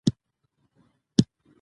هغه ځان ته څېرمه ودرېد.